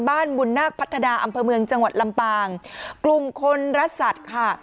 บ้านบุญนักภัฒนาอำเภอเมืองจังหวัดลำปางกลุ่มคนรัฐศักดิ์ค่ะ